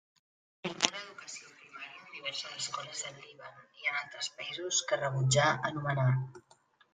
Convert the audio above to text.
Tingué l'educació primària en diverses escoles del Líban i en altres països que rebutjà anomenar.